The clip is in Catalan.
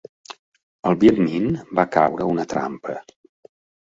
El Viet Minh va caure a una trampa.